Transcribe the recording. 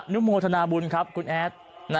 นุโมทนาบุญครับคุณแอด